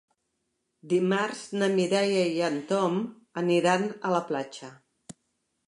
Dimarts na Mireia i en Tom aniran a la platja.